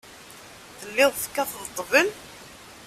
Telliḍ tekkateḍ ṭṭbel?